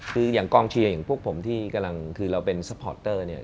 คืออย่างกองเชียร์อย่างพวกผมที่กำลังคือเราเป็นซัพพอร์ตเตอร์เนี่ย